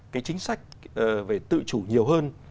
chính sách về tự chủ nhiều hơn